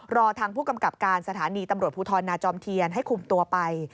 รอทางผู้กำกับการสถานีตำรวจภูทรนาจอมเทียนให้คุมตัวไป